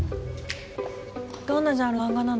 どんなジャンルの漫画なの？